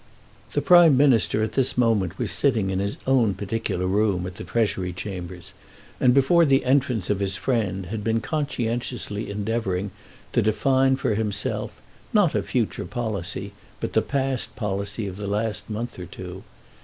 The Prime Minister at this moment was sitting in his own particular room at the Treasury Chambers, and before the entrance of his friend had been conscientiously endeavouring to define for himself, not a future policy, but the past policy of the last month or two.